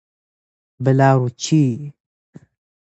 بلورچی